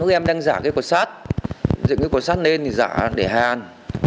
các em đang giả cột sát dựng cột sát lên thì giả để hàn